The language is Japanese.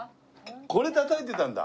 これたたいてたんだ？